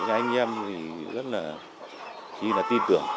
anh em thì rất là chỉ là tin tưởng